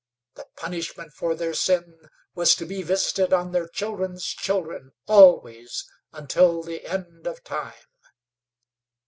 The punishment for their sin was to be visited on their children's children, always, until the end of time.